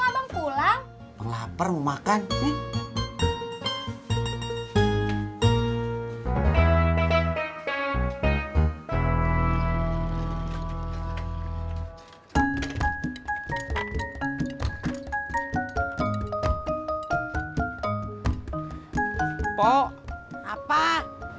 proesurnya udah jadi bang